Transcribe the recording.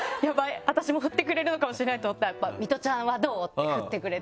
私も振ってくれるのかもしれないと思ったら「ミトちゃんはどう？」って振ってくれて。